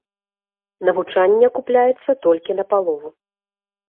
Навучанне акупляецца толькі на палову.